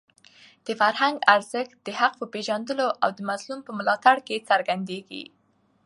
د فرهنګ ارزښت د حق په پېژندلو او د مظلوم په ملاتړ کې څرګندېږي.